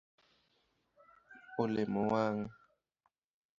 Olemo wang.